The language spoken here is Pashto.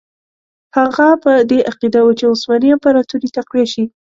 هغه په دې عقیده وو چې عثماني امپراطوري تقویه شي.